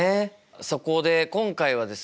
そこで今回はですね